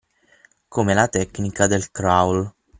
come la tecnica del crawl